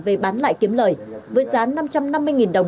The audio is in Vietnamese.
về bán lại kiếm lời với giá năm trăm năm mươi đồng